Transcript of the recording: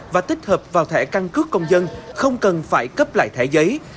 và tích hợp vào thẻ căn cước công dân không cần phải cấp lại thẻ giấy